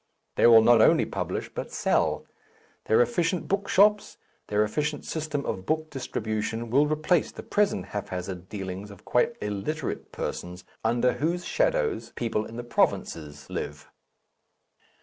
They will not only publish, but sell; their efficient book shops, their efficient system of book distribution will replace the present haphazard dealings of quite illiterate persons under whose shadows people in the provinces live.